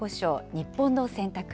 日本の選択。